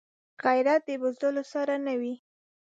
غیرت د بزدلو سره نه وي